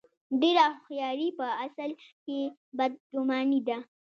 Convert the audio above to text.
ډېره هوښیاري په اصل کې بد ګماني ده.